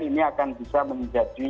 ini akan bisa menjadi